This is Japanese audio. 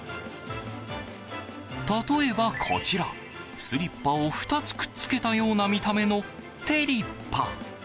例えばこちら、スリッパを２つくっつけたような見た目のテリッパ。